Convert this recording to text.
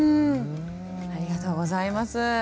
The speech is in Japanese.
ありがとうございます。